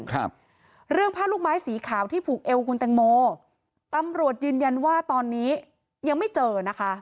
ครับเรื่องผ้าลูกไม้สีขาวที่ผูกเอวคุณแตงโมตำรวจยืนยันว่าตอนนี้ยังไม่เจอนะคะ